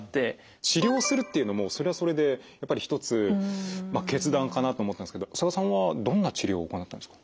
治療するっていうのもそれはそれで一つ決断かなと思ったんですけど佐賀さんはどんな治療を行ったんですか？